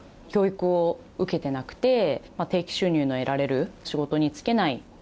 教育を受けてなくて定期収入の得られる仕事に就けない。